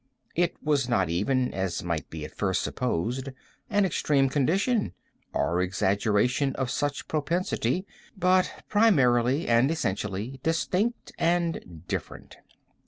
It was not even, as might be at first supposed, an extreme condition, or exaggeration of such propensity, but primarily and essentially distinct and different.